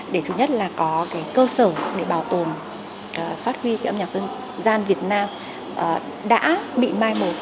để thứ nhất là có cái cơ sở để bảo tồn phát huy cái âm nhạc dân gian việt nam đã bị mai một